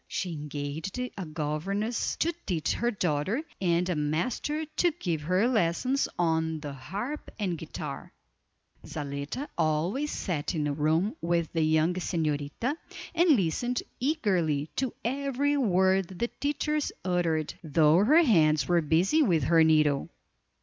She engaged a governess to teach her daughter, and a master to give her lessons on the harp and guitar. Zaletta always sat in the room with the young señorita, and listened eagerly to every word the teachers uttered, though her hands were busy with her needle.